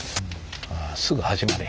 あすぐ始まる。